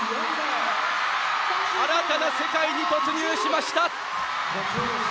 新たな世界に突入しました！